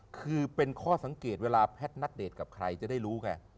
คือเป็นข้อสังเกตเวลาแพทย์นัดเดทกับใครจะได้รู้ไง